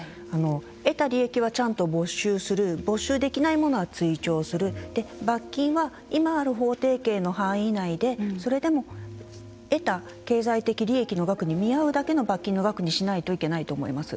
得た利益はちゃんと没収する没収できないものは追徴する罰金は、今ある法定刑の範囲内でそれでも、得た経済的利益の額に見合うだけの罰金の額にしないといけないと思います。